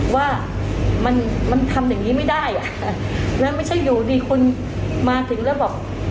ว่ามันมันทำอย่างงี้ไม่ได้อ่ะแล้วไม่ใช่อยู่ดีคนมาถึงแล้วบอก